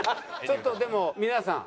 ちょっとでも皆さん。